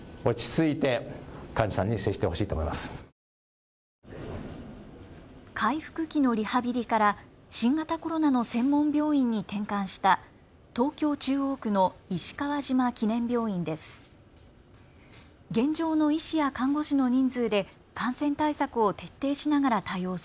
回復期のリハビリから新型コロナの専門病院に転換した東京中央区の石川島記念病院です。